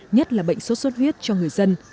nhất là bệnh sốt xuất huyết cho người dân